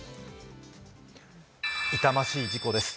痛ましい事故です。